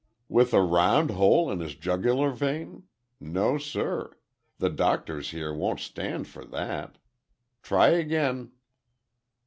"With a round hole in his jugular vein? No, sir. The doctors here won't stand for that. Try again."